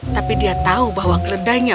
kami akan menjualnya